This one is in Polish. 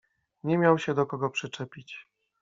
Nie miał się do kogo przyczepić.